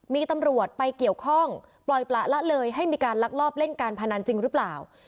มีตำรวจไปเกี่ยวข้องปล่อยประละเลยให้มีการลักลอบเล่นการพนันจริงหรือเปล่า